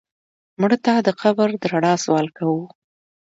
مړه ته د قبر د رڼا سوال کوو